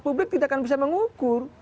publik tidak akan bisa mengukur